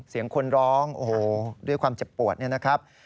เสียงคนร้องโอ้โหด้วยความเจ็บปวดเนี่ยนะครับ